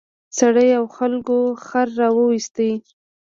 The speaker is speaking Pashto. سړي او خلکو خر راوویست.